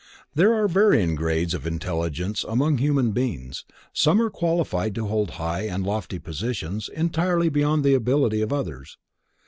There are varying grades of intelligence among human beings, some are qualified to hold high and lofty positions entirely beyond the ability of others.